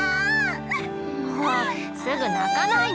もうすぐ泣かないの。